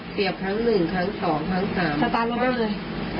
เปรียบครั้งหนึ่งครั้งสองครั้งสามสตาร์ทรวดได้เลย